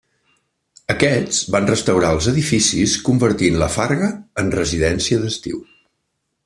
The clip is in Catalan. Aquests van restaurar els edificis convertint la farga en residència d'estiu.